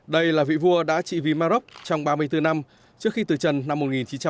đây là vị vua đã trị vì maroc trong ba mươi bốn năm trước khi từ trần năm một nghìn chín trăm sáu mươi một